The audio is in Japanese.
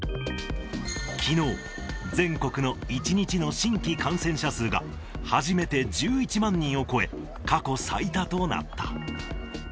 きのう、全国の１日の新規感染者数が、初めて１１万人を超え、過去最多となった。